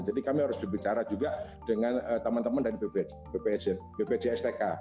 jadi kami harus berbicara juga dengan teman teman dari bpjsk